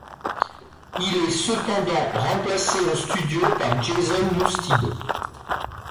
Il est cependant remplacé en studio par Jason Newsted.